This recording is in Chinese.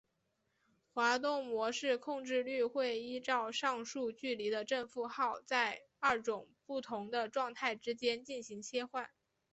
滑动模式控制律会依照上述距离的正负号在二种不同的状态之间进行切换。